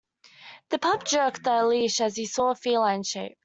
The pup jerked the leash as he saw a feline shape.